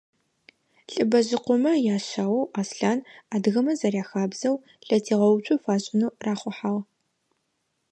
ЛӀыбэжъыкъомэ яшъаоу Аслъан, адыгэмэ зэряхабзэу, лъэтегъэуцо фашӏынэу рахъухьагъ.